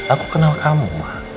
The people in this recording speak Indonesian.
aku kenal kamu ma